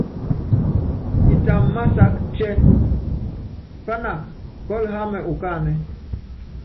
Itamv másák cɛ́ny, pának kɔ́l hámɛ ukáánɛ́.